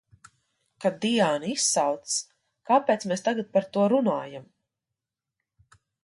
Kad Diāna izsaucas – kāpēc mēs tagad par to runājam!